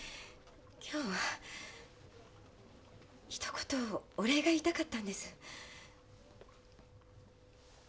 今日はひと言お礼が言いたかったんです。